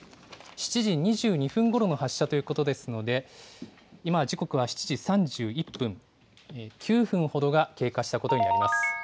７時２２分ごろの発射ということですので、今、時刻は７時３１分、９分ほどが経過したことになります。